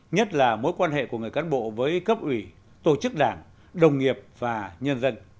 nhất là mối quan hệ của người cán bộ với cấp ủy tổ chức đảng đồng nghiệp và nhân dân